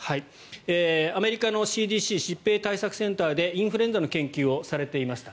アメリカのＣＤＣ・疾病対策センターでインフルエンザの研究をされていました。